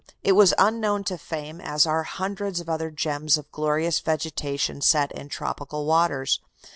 It was unknown to fame, as are hundreds of other gems of glorious vegetation set in tropical waters.